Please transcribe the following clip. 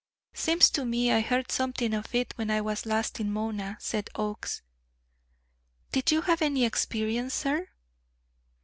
"Seems to me I heard something of it when I was last in Mona," said Oakes. "Did you have any experience, sir?"